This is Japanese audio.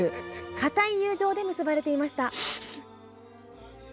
固い友情で結ばれていました。